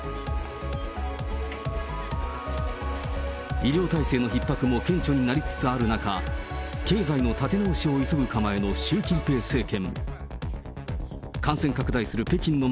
医療体制のひっ迫も顕著になりつつある中、経済の立て直しを急ぐ構えの習近平政権。